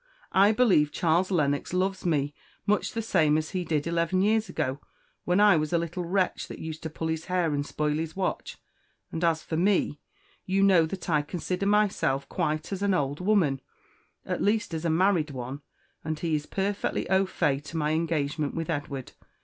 I believe Charles Lennox loves me much the same as he did eleven years ago, when I was a little wretch that used to pull his hair and spoil his watch. And as for me, you know that I consider myself quite as an old woman at least as a married one; and he is perfectly au fait to my engagement with Edward.